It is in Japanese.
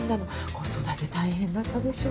子育て大変だったでしょ。